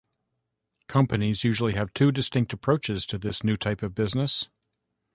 Companies usually have two distinct approaches to this new type of business.